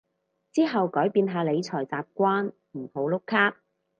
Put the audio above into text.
之後改變下理財習慣唔好碌卡